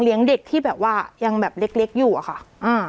เด็กที่แบบว่ายังแบบเล็กเล็กอยู่อะค่ะอ่า